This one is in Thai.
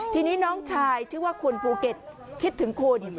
ทีนี้น้องชายชื่อว่าคุณภูเก็ตคิดถึงคุณ